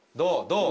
どう？